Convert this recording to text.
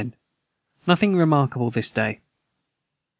Nothing remarkable this day.